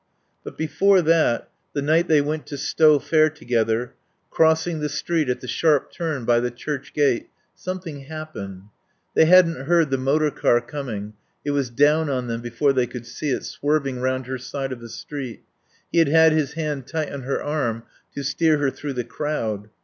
But before that the night they went to Stow Fair together; crossing the street at the sharp turn by the church gate, something happened. They hadn't heard the motor car coming; it was down on them before they could see it, swerving round her side of the street. He had had his hand tight on her arm to steer her through the crowd.